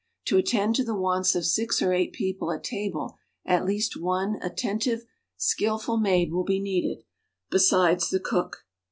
To attend to the wants of six or eight jjcoplc at table, at least one attentive, skillful maid will be needed, besides the cook.